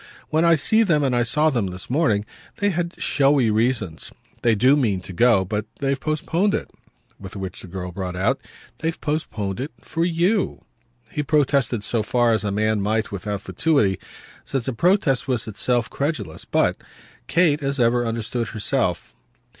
When I see them and I saw them this morning they have showy reasons. They do mean to go, but they've postponed it." With which the girl brought out: "They've postponed it for YOU." He protested so far as a man might without fatuity, since a protest was itself credulous; but Kate, as ever, understood herself.